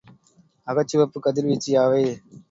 அகச்சிவப்புக் கதிர்வீச்சு யாவை?